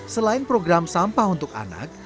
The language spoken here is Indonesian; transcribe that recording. selain program sampah untuk anak